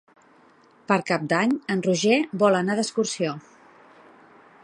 Per Cap d'Any en Roger vol anar d'excursió.